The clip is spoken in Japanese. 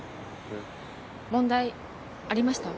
問題ありました？